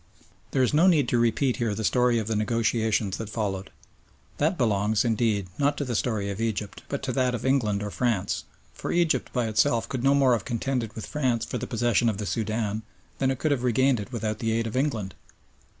There is no need to repeat here the story of the negotiations that followed. That belongs, indeed, not to the story of Egypt, but to that of England or France; for Egypt by itself could no more have contended with France for the possession of the Soudan than it could have regained it without the aid of England.